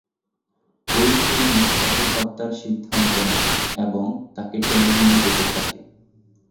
ঐ সৈনিক তাকে হত্যার সিদ্ধান্ত নেয়, এবং তাকে টেনে নিয়ে যেতে থাকে।